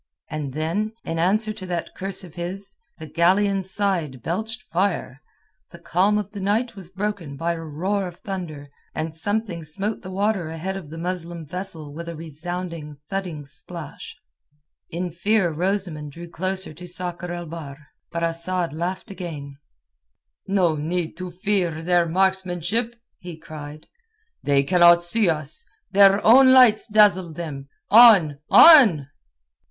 And then, in answer to that curse of his, the galleon's side belched fire; the calm of the night was broken by a roar of thunder, and something smote the water ahead of the Muslim vessel with a resounding thudding splash. In fear Rosamund drew closer to Sakr el Bahr. But Asad laughed again. "No need to fear their marksmanship," he cried. "They cannot see us. Their own lights dazzle them. On! On!"